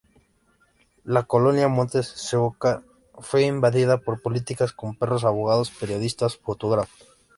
La colonia Montes de Oca fue invadida por policías con perros, abogados, periodistas, fotógrafos.